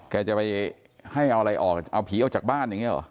แกจะไปให้เอาอะไรออกเอาผีออกจากบ้านอย่างนี้หรอ